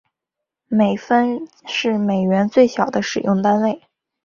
美分是美元最小的使用单位。